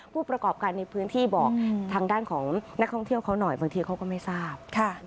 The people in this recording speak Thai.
ผู้ประกอบการในพื้นที่บอกทางด้านของนักท่องเที่ยวเขาหน่อยบางทีเขาก็ไม่ทราบ